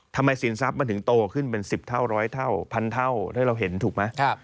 สินทรัพย์มันถึงโตขึ้นเป็น๑๐เท่าร้อยเท่าพันเท่าที่เราเห็นถูกไหม